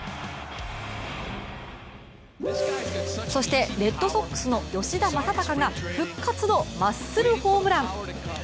そしてレッドソックスの吉田正尚が復活のマッスルホームラン。